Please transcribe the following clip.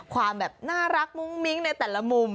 ความแบบน่ารักมุ้งมิ้งในแต่ละมุม